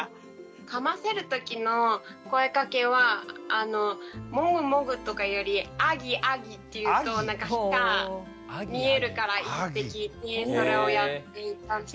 かませる時の声かけは「もぐもぐ」とかより「あぎあぎ」って言うと歯が見えるからいいって聞いてそれをやっていました。